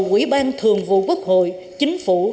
quỹ ban thường vụ quốc hội chính phủ